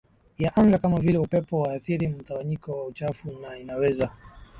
ya anga kama vile upepo huathiri mtawanyiko wa uchafu na inaweza